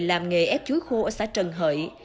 làm nghề ép chuối khô ở xã trần hợi